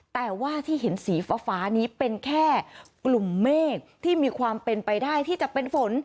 แต่ว่าที่เห็นสีฟ้านี้เป็นแค่กลุ่มเมฆที่มีความเป็นไปได้ที่จะเป็นฝน